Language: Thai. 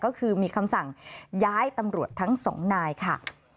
ก็คือมีคำสั่งย้ายตำรวจทั้งสองนายค่ะ